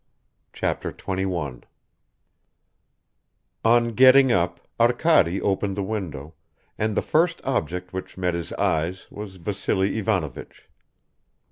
Chapter 21 ON GETTING UP, ARKADY OPENED THE WINDOW, AND THE FIRST object which met his eyes was Vassily Ivanovich.